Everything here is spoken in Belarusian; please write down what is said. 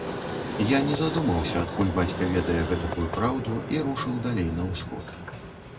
Я не задумаўся, адкуль бацька ведае гэтакую праўду, і рушыў далей на ўсход.